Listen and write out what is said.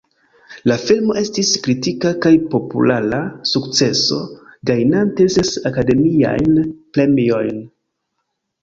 La filmo estis kritika kaj populara sukceso, gajnante ses Akademiajn Premiojn.